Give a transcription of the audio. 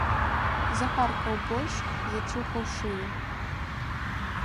Захаркаў больш, зачухаў шыю.